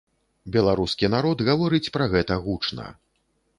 Беларускі народ гаворыць пра гэта гучна.